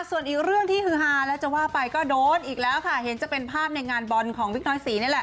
ส่วนอีกเรื่องที่ฮือฮาและจะว่าไปก็โดนอีกแล้วค่ะเห็นจะเป็นภาพในงานบอลของวิกน้อยศรีนี่แหละ